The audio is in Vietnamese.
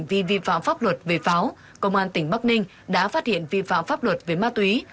vì vi phạm pháp luật về pháo công an tỉnh bắc ninh đã phát hiện vi phạm pháp luật về ma túy